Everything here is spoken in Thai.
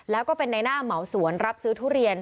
แล้วก็เป็นในหน้าเหมาสวนรับซื้อทุเรียน